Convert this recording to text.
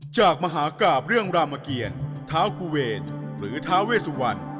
จากมหากาบเรื่องรามเกียรติท้าวกุเวชหรือท้าเวสวรรค์